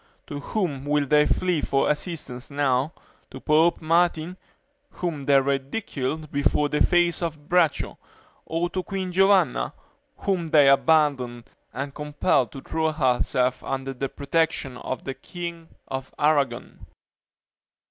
To whom will they flee for assistance now? to Pope Martin, whom they ridiculed before the face of Braccio; or to Queen Giovanna, whom they abandoned, and compelled to throw herself under the protection of the king of Aragon?"